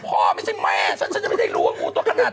ผมคิดว่าในข่าวมีงูบอกมา